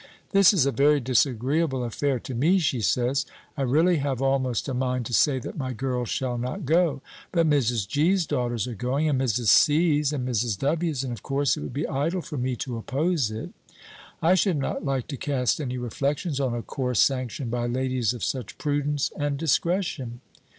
"This is a very disagreeable affair to me," she says. "I really have almost a mind to say that my girls shall not go; but Mrs. G.'s daughters are going, and Mrs. C.'s, and Mrs. W.'s, and of course it would be idle for me to oppose it. I should not like to cast any reflections on a course sanctioned by ladies of such prudence and discretion."